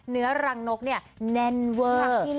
รังนกเนี่ยแน่นเวอร์